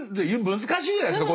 難しいじゃないですか